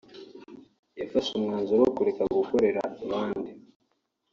yafashe umwanzuro wo kureka gukorera abandi